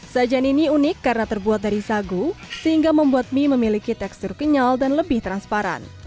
sajian ini unik karena terbuat dari sagu sehingga membuat mie memiliki tekstur kenyal dan lebih transparan